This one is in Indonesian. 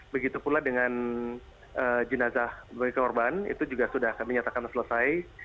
begitu pula dengan jenazah dari korban itu juga sudah kami nyatakan selesai